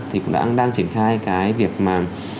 thì cũng đang triển khai cái việc mà